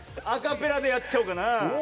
アカペラでやっちゃおうかな。